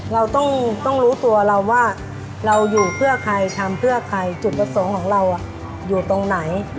เราต้องรู้ตัวเราว่าเราอยู่เพื่อใครทำเพื่อใครจุดประสงค์ของเราอยู่ตรงไหน